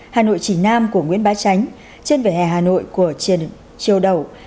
hà nội chỉ nam của nguyễn bá tránh trên vẻ hà nội của triều đầu